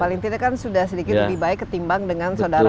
ya ya paling tidak kan sudah sedikit lebih baik ketimbang dengan soal kesehatan